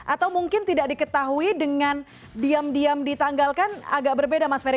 atau mungkin tidak diketahui dengan diam diam ditanggalkan agak berbeda mas ferry